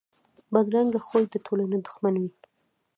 بدرنګه خوی د ټولنې دښمن وي